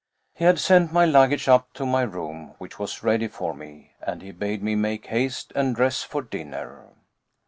He had sent my luggage up to my room, which was ready for me, and he bade me make haste and dress for dinner.